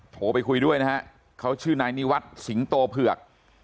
โทรไปคุยด้วยนะฮะเขาชื่อนายนิวัฒน์สิงโตเผือก